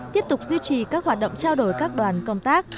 tiếp tục duy trì các hoạt động trao đổi các đoàn công tác